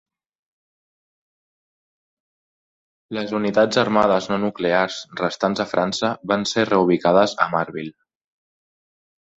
Les unitats armades no nuclears restants a França van ser reubicades a Marville.